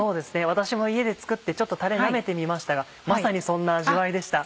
私も家で作ってちょっとタレなめてみましたがまさにそんな味わいでした。